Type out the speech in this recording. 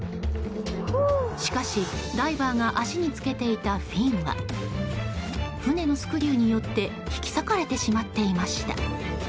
しかし、ダイバーが足につけていたフィンは船のスクリューによって引き裂かれてしまっていました。